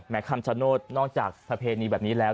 คำชโนธนอกจากประเพณีแบบนี้แล้ว